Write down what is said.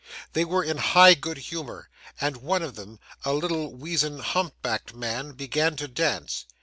They were in high good humour; and one of them, a little, weazen, hump backed man, began to dance.